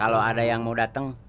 kalau ada yang mau datang